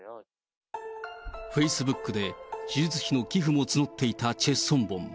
フェイスブックで手術費の寄付も募っていたチェ・ソンボン。